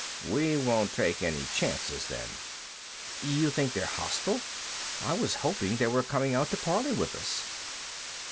"We won't take any chances, then." "You think they're hostile? I was hoping they were coming out to parley with us."